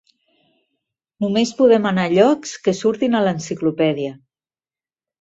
Només podem anar a llocs que surtin a l'enciclopèdia.